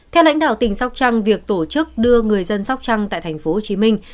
theo lãnh đạo tỉnh sóc trăng việc tổ chức đưa người dân sóc trăng tại thành phố hồ chí minh